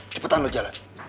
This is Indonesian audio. cepetan lo jalan